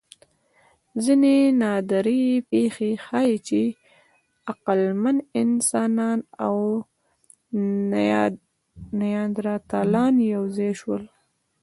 ځینې نادرې پېښې ښيي، چې عقلمن انسانان او نیاندرتالان یو ځای شول.